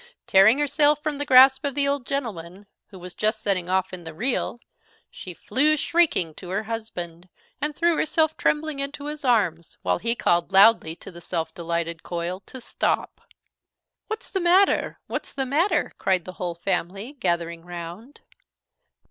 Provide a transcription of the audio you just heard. Tearing herself from the grasp of the old gentleman, who was just setting off in the reel, she flew shrieking to her husband, and threw herself trembling into his arms, while he called loudly to the self delighted Coil to stop. "What's the matter? what's the matter?" cried the whole family, gathering round.